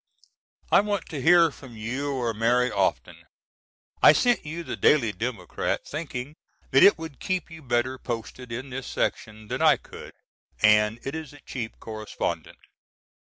I want to hear from you or Mary often. I sent you the Daily Democrat, thinking that would keep you better posted in this section than I could, and it is a cheap correspondent.